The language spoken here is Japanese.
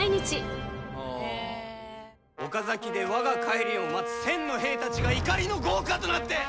岡崎で我が帰りを待つ１，０００の兵たちが怒りの業火となって。